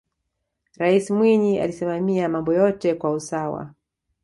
raisi mwinyi alisimamia mambo yote kwa usawa